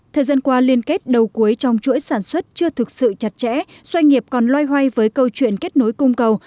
thời gian qua liên kết đầu cuối trong chuỗi sản xuất chưa thực sự chặt chẽ doanh nghiệp còn loay hoay với câu chuyện kết nối cung cầu